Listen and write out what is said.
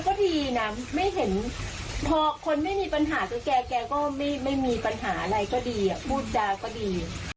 พอคนไม่มีปัญหากับแกแกก็ไม่ไม่มีปัญหาอะไรก็ดีอ่ะ